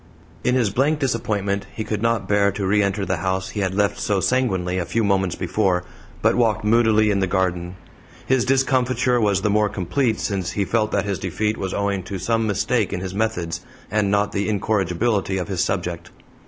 In his blank disappointment he could not bear to re enter the house he had left so sanguinely a few moments before, but walked moodily in the garden. His discomfiture was the more complete since he felt that his defeat was owing to some mistake in his methods, and not the incorrigibility of his subject.